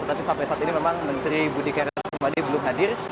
tetapi sampai saat ini memang menteri budi karya sumadi belum hadir